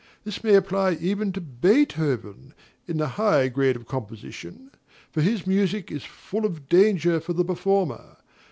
This may apply even to Beethoven, in the higher grade of composition; for his music is full of danger for the performer.